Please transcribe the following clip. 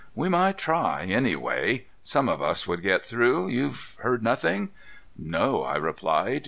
"We might try, anyway. Some of us would get through. You've heard nothing?" "No," I replied.